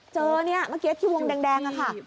เจอเนี่ยเมื่อกี้ที่วงแดงค่ะ